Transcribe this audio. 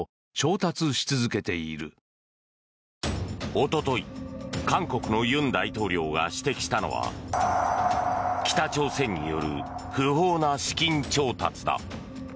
一昨日、韓国の尹大統領が指摘したのは北朝鮮による不法な資金調達だ。